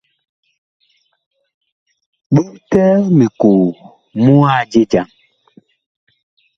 Bogtɛɛ mikoo mu a je jam.